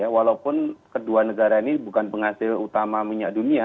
walaupun kedua negara ini bukan penghasil utama minyak dunia